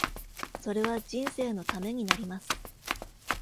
それは人生のためになります！